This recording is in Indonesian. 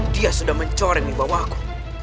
dia sudah mencoreng di bawahku